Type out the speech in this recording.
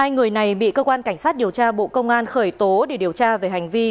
hai người này bị cơ quan cảnh sát điều tra bộ công an khởi tố để điều tra về hành vi